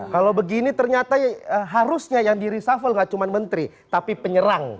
kalau begini ternyata harusnya yang di reshuffle gak cuma menteri tapi penyerang